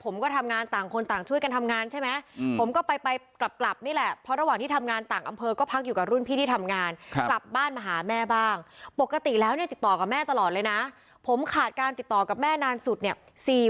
แม่ขาดการติดต่อกับแม่นานสุดเนี่ย